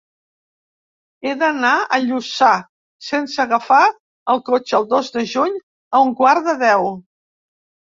He d'anar a Lluçà sense agafar el cotxe el dos de juny a un quart de deu.